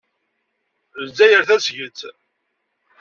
Lezzayer tasget.